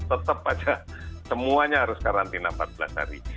tetap saja semuanya harus karantina empat belas hari